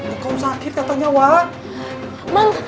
ibu sakit katanya wak